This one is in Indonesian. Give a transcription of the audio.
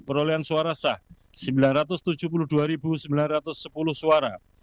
perolehan suara sah sembilan ratus tujuh puluh dua sembilan ratus sepuluh suara